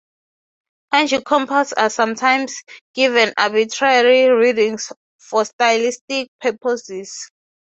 Kanji compounds are sometimes given arbitrary readings for stylistic purposes.